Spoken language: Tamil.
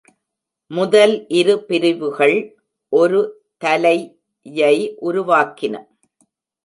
முதல் இரு பிரிவுகள் ஒரு "தலை"-யை உருவாக்கின.